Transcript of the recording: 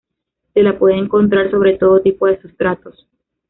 Se la puede encontrar sobre todo tipo de sustratos.